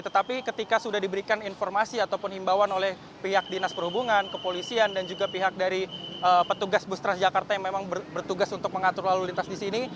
tetapi ketika sudah diberikan informasi ataupun himbawan oleh pihak dinas perhubungan kepolisian dan juga pihak dari petugas bus transjakarta yang memang bertugas untuk mengatur lalu lintas di sini